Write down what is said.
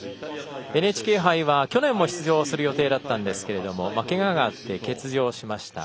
ＮＨＫ杯は去年も出場する予定だったんですけどもけががあって欠場しました。